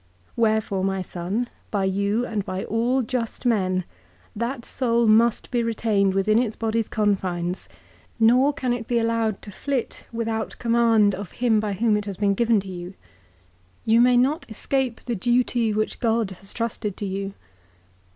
Wherefore, my son, by you and by all just men, that soul must be retained within its body's confines, nor can it be allowed to flit without command of him by whom it has been given to you. You may not escape the duty which God has trusted to you.